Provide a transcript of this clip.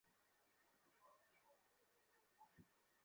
White House তো ওদের সাথে সাক্ষাতের ব্যাপারটা অস্বীকার করছে!